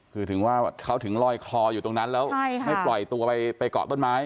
คือถึงว่าเขาถึงลอยคลออยู่ตรงนั้นแล้วไม่ปล่อยตัวไปเกาะต้นไม้